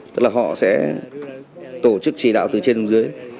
tức là họ sẽ tổ chức chỉ đạo từ trên xuống dưới